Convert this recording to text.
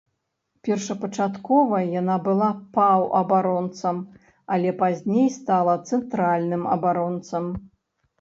Першапачаткова яна была паўабаронцам, але пазней стала цэнтральным абаронцам.